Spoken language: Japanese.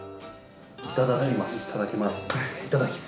いただきます。